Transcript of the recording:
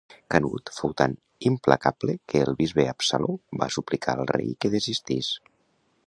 Canut fou tan implacable que el Bisbe Absaló va suplicar al rei que desistís.